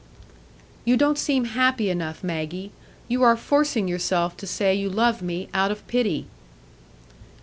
"You don't seem happy enough, Maggie; you are forcing yourself to say you love me, out of pity."